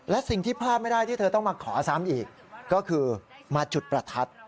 และสิ่งที่พลาดไม่ได้ที่เธอต้องมาขอซ้ำอีกก็คือมาจุดประทัด